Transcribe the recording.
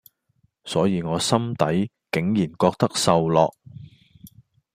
所以我心底竟然覺得受落